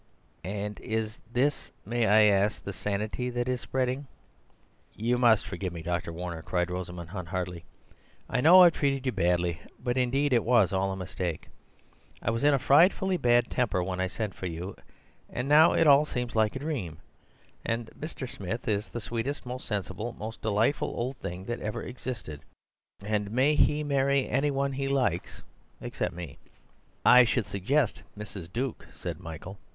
"And is THIS, may I ask," he said, "the sanity that is spreading?" "You must forgive me, Dr. Warner," cried Rosamund Hunt heartily. "I know I've treated you badly; but indeed it was all a mistake. I was in a frightfully bad temper when I sent for you, but now it all seems like a dream—and—and Mr. Smith is the sweetest, most sensible, most delightful old thing that ever existed, and he may marry any one he likes—except me." "I should suggest Mrs. Duke," said Michael.